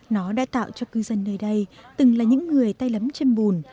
nó đã tạo cho cư dân nơi đây từng là những người tay lấm chân bùn